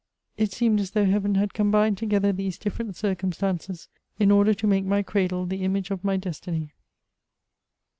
It seemed as though Heaven had combined together these ^ different circumstances in order to make my cradle the image of my destiny.